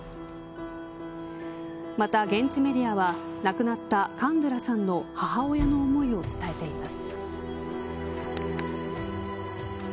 また現地メディアは亡くなったカンドゥラさんの母親の思いを伝えてます。